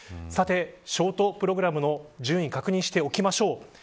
さて、ショートプログラムの順位確認していきましょう。